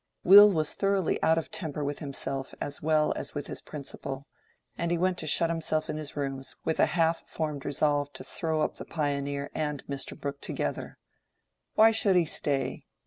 Will was thoroughly out of temper with himself as well as with his "principal," and he went to shut himself in his rooms with a half formed resolve to throw up the "Pioneer" and Mr. Brooke together. Why should he stay?